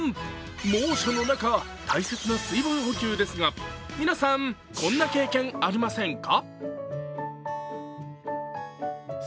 猛暑の中、大切な水分補給ですが皆さん、こんな経験ありませんか？